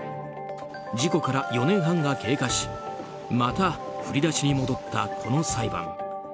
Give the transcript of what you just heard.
事故から４年半が経過しまた振り出しに戻った、この裁判。